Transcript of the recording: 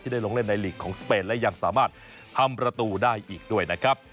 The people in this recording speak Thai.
ได้ลงเล่นในลีกของสเปนและยังสามารถทำประตูได้อีกด้วยนะครับ